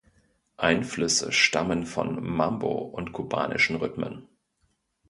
Einflüsse stammen von Mambo und kubanischen Rhythmen.